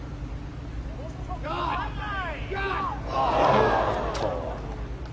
おっと。